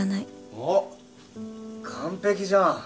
おお完璧じゃん。